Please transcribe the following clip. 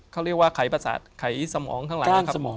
เขาเรียกว่าไขสมองข้างหลังนะครับ